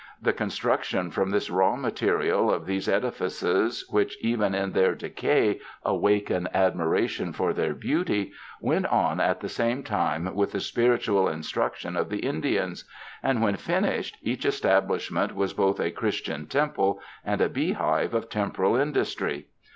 The construction from this raw material of these edifices, which even in their decay awaken ad miration for their beauty, went on at the same time with the spiritual instruction of the Indians; and when finished, each establishment was both a Chris tian temple, and a beehive of temporal industry.